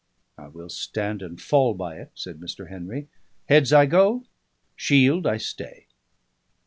"I will stand and fall by it," said Mr. Henry. "Heads, I go; shield, I stay."